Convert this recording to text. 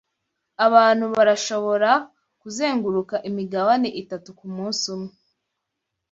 Abantu barashobora kuzenguruka imigabane itatu kumunsi umwe